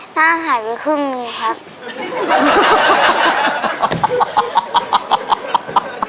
หน้าหายไปครึ่งนิดครับ